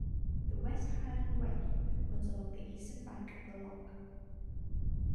The West Highland Way runs along the eastern bank of the loch.